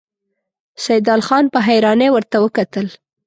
سيدال خان په حيرانۍ ورته وکتل.